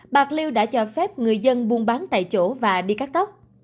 bạc liêu đã cho phép người dân buôn bán tại chỗ và đi cắt tóc